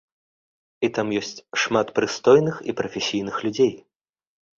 І там ёсць шмат прыстойных і прафесійных людзей.